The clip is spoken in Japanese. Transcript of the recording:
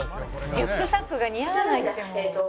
「リュックサックが似合わないってもう」